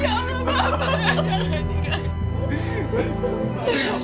ya allah bapak